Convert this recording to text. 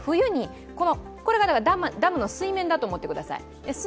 これがダムの水面だと思ってください。